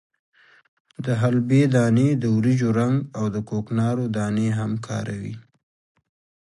د حلبې دانې، د وریجو رنګ او د کوکنارو دانې هم کاروي.